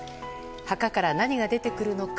墓から何が出てくるのか。